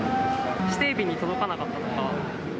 指定日に届かなかったとか。